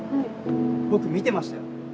僕、見てましたよ。